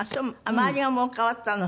周りがもう変わったの？